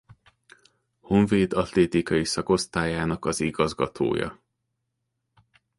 Honvéd atlétikai szakosztályának az igazgatója.